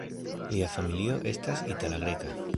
Lia familio estas itala-greka.